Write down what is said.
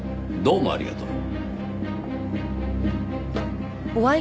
どうもありがとう。